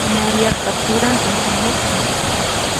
Mariaqa turantin hamusqa.